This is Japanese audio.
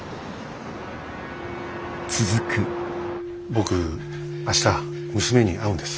僕明日娘に会うんです。